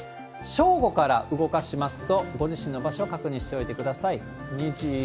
正午から動かしますと、ご自身の場所を確認しておいてください。